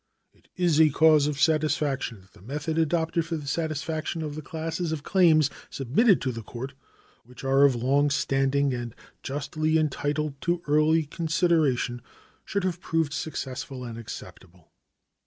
It is a cause of satisfaction that the method adopted for the satisfaction of the classes of claims submitted to the court, which are of long standing and justly entitled to early consideration, should have proved successful and acceptable.